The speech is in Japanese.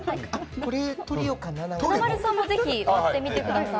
華丸さんもぜひ割ってください。